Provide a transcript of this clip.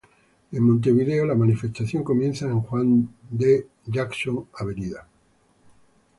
En Montevideo, la manifestación comienza en Juan D. Jackson y Av.